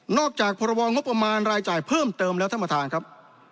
จากพรบงบประมาณรายจ่ายเพิ่มเติมแล้วท่านประธานครับ